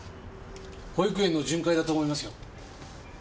保育園の巡回だと思いますよ。